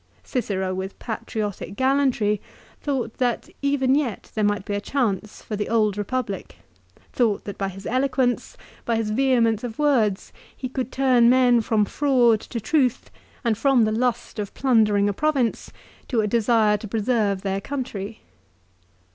1 Cicero with patriotic gallantry thought that even yet there might be a chance for the old Eepublic ; thought that by his eloquence, by his vehemence of words he could turn men from fraud to truth and from the lust of plundering a province to a desire to preserve their country.